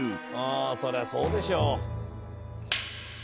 ああそりゃそうでしょ。